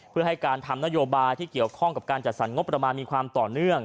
เพื่อให้การทำนโยบายที่เกี่ยวข้องกับการจัดสรรงบประมาณมีความต่อเนื่อง